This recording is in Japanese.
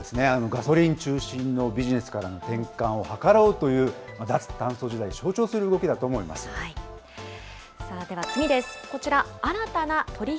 ガソリン中心のビジネスからの転換を図ろうという、脱炭素時代を象徴する動きだでは次です。